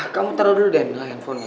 kamu taro dulu deh ini di handphone